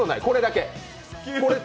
これだけ？